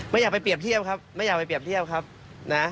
อยากไปเปรียบเทียบครับไม่อยากไปเรียบเทียบครับนะ